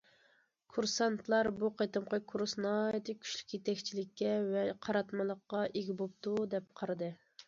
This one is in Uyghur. كۇرسانتلار بۇ قېتىمقى كۇرس ناھايىتى كۈچلۈك يېتەكچىلىككە ۋە قاراتمىلىققا ئىگە بوپتۇ، دەپ قارىدى.